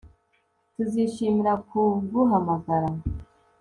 Tuzishimira kuguhamagara